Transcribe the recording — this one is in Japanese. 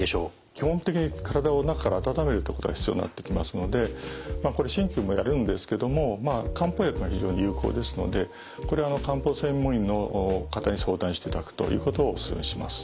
基本的に体を中から温めるってことが必要になってきますので鍼灸もやるんですけども漢方薬が非常に有効ですので漢方専門医の方に相談していただくということをおすすめします。